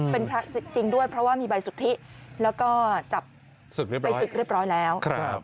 เป็นพระจริงด้วยเพราะว่ามีใบสุทธิแล้วก็จับศึกไปศึกเรียบร้อยแล้ว